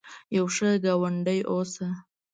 یو ښه ګاونډي اوسه